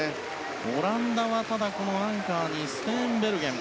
オランダはアンカーにステーンベルゲン。